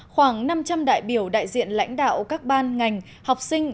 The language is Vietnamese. khoảng năm trăm linh đại biểu đại diện lãnh đạo các ban ngành học sinh